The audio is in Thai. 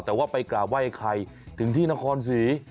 แต่ว่าไปกราบไหว้ไข่ถึงที่นครศรี